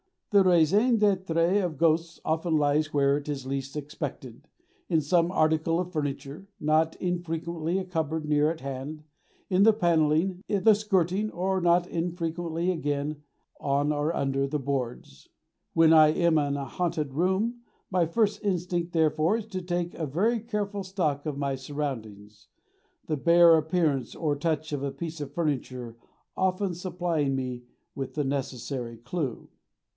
The raison d'être of ghosts often lies where it is least expected; in some article of furniture, not infrequently a cupboard near at hand, in the panelling, the skirting, or, not infrequently again, on or under the boards. When I am in a haunted room, my first instinct, therefore, is to take a very careful stock of my surroundings; the bare appearance or touch of a piece of furniture often supplying me with the necessary clue.